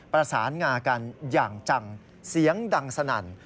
ประสานงากันอย่างจังเสียงดังสนั่น